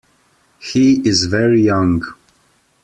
He is very young.